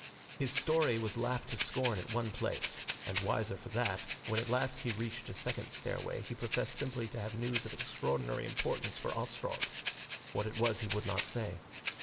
His story was laughed to scorn at one place, and wiser for that, when at last he reached a second stairway he professed simply to have news of extraordinary importance for Ostrog. What it was he would not say.